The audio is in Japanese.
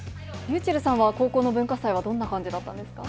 ｒｙｕｃｈｅｌｌさんは、高校の文化祭は、どんな感じだったんですか。